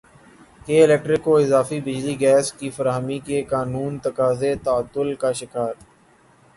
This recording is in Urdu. کے الیکٹرک کو اضافی بجلی گیس کی فراہمی کے قانونی تقاضے تعطل کا شکار